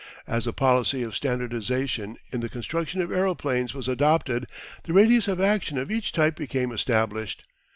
As the policy of standardisation in the construction of aeroplanes was adopted the radius of action of each type became established.